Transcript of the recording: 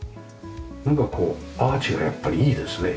なんかこうアーチがやっぱりいいですね。